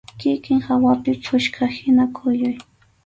Kikin hawapi puchkahina kuyuy.